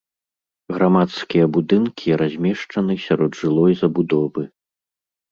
Грамадскія будынкі размешчаны сярод жылой забудовы.